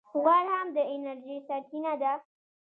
غوړ هم د انرژۍ سرچینه ده